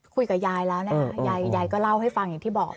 คุยกับยายแล้วนะคะยายก็เล่าให้ฟังอย่างที่บอก